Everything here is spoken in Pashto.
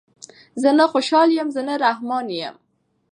زه نه خوشحال یم زه نه رحمان یم